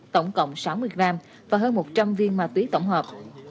tổng cộng sáu mươi gram và hơn một trăm linh viên ma túy tổng hợp